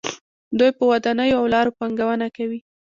دوی په ودانیو او لارو پانګونه کوي.